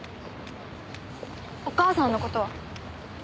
お母さんの事は？